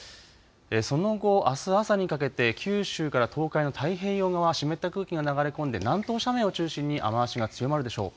その後、あす朝にかけて九州から東海の太平洋側、湿った空気が流れ込んで南東斜面を中心に雨足が強まるでしょう。